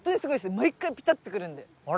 毎回ピタッとくるんで。